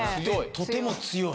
とても強い。